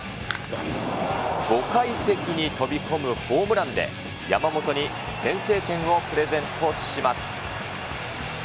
５階席に飛び込むホームランで、山本に先制点をプレゼントします。